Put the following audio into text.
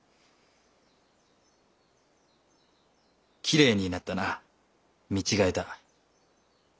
きれいになったな見違えた。